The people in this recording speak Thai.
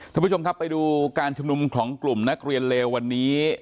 ท่านผู้ชมครับไปดูการชุมนุมของกลุ่มนักเรียนเลววันนี้